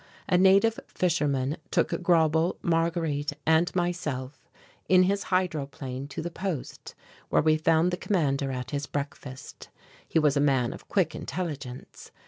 A native fisherman took Grauble, Marguerite and myself in his hydroplane to the post, where we found the commander at his breakfast. He was a man of quick intelligence.